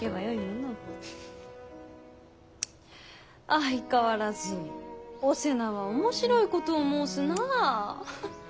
相変わらずお瀬名は面白いことを申すなぁ。